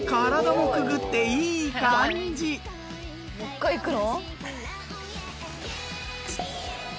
もう一回いくの？